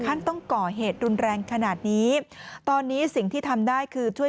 ท่านต้องก่อเหตุรุนแรงขนาดนี้ตอนนี้สิ่งที่ทำได้คือช่วย